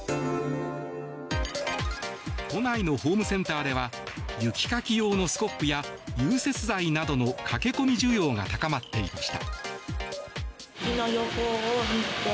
都内のホームセンターでは雪かき用のスコップや融雪剤などの駆け込み需要が高まっていました。